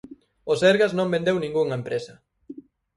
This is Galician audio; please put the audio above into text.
O Sergas non vendeu ningunha empresa.